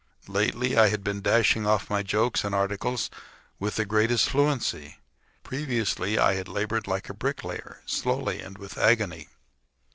Lately I had been dashing off my jokes and articles with the greatest fluency. Previously I had labored like a bricklayer, slowly and with agony.